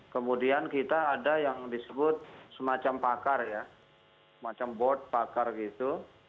kemudian kita ada yang disebut semacam pakar ya semacam board pakar gitu